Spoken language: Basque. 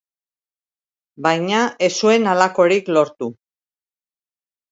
Baina ez zuen halakorik lortu.